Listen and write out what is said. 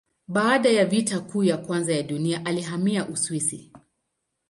Baada ya Vita Kuu ya Kwanza ya Dunia alihamia Uswisi.